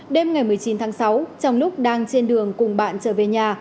đêm ngày một mươi chín tháng sáu trong lúc đang trên đường cùng bạn trở về nhà